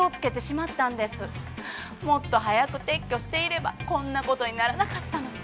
もっと早く撤去していればこんなことにならなかったのに。